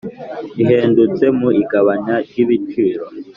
ihendutse mu igabanya ry'ibiciro.